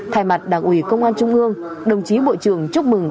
thay mặt đảng ủy công an trung ương đồng chí bộ trưởng chúc mừng